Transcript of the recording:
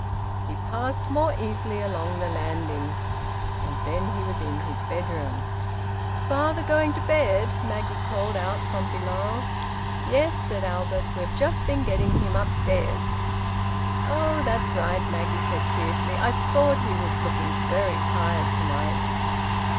He passed more easily along the landing. And then he was in his bedroom. "Father going to bed?" Maggie called out from below. "Yes," said Albert. "We've just been getting him upstairs." "Oh! That's right," Maggie said cheerfully. "I thought he was looking very tired to night."